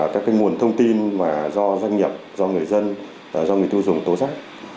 các cái nguồn thông tin mà do doanh nghiệp do người dân do người tiêu dùng tố giác